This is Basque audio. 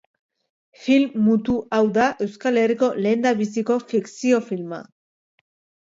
Film mutu hau da Euskal Herriko lehendabiziko fikzio filma.